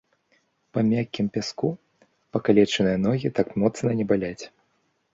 Па мяккім пяску пакалечаныя ногі так моцна не баляць.